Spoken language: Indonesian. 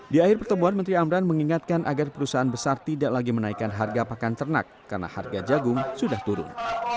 di akhir pertemuan menteri amran mengingatkan agar perusahaan besar tidak lagi menaikkan harga pakan ternak karena harga jagung sudah turun